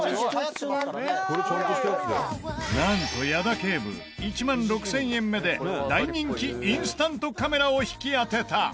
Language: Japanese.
なんと矢田警部１万６０００円目で大人気インスタントカメラを引き当てた！